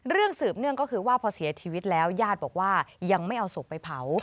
สืบเนื่องก็คือว่าพอเสียชีวิตแล้วญาติบอกว่ายังไม่เอาศพไปเผา